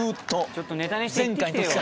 ちょっとネタにして行ってきてよ。